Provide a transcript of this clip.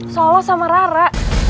seolah sama rara